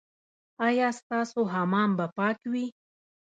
ایا ستاسو حمام به پاک وي؟